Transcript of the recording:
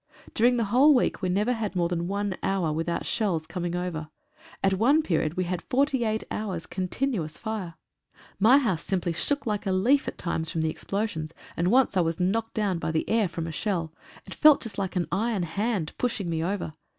During the whole week we never had more than one hour without shells coming over. At one period we had forty eight hours' continuous fire. My house BATTLEFIELD CONDITIONS. simply shook like a leaf at times from the explosions, and once I was knocked down by the air from a shell. It felt just like an iron hand pushing me over.